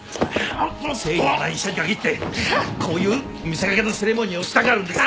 誠意のない医者に限ってこういう見せかけのセレモニーをしたがるんです。